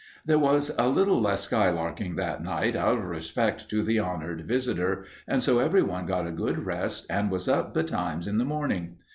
There was a little less skylarking that night out of respect to the honored visitor, and so everyone got a good rest and was up betimes in the morning.